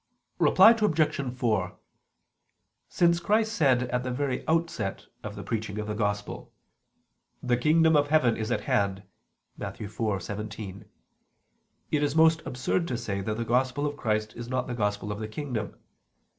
Reply Obj. 4: Since Christ said at the very outset of the preaching of the Gospel: "The kingdom of heaven is at hand" (Matt. 4:17), it is most absurd to say that the Gospel of Christ is not the Gospel of the kingdom.